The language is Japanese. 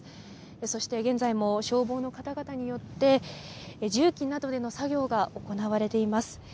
そして現在も消防の方々によって重機などでの作業が行われています。